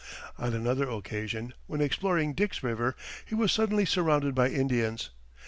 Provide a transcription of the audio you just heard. On another occasion, when exploring Dick's River, he was suddenly surrounded by Indians.